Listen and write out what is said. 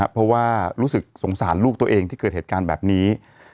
เพราะว่ารู้สึกสงสารลูกตัวเองที่เกิดเหตุการณ์แบบนี้